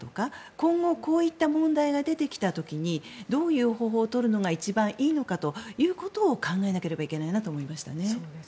今後、こういった問題が出てきた時にどういう方法を取るのが一番いいのかということを考えなければいけないなと思いましたね。